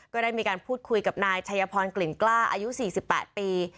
ก็ได้มีการพูดคุยกับนายชัยพรกลิ่นกล้าอายุ๔๘ปี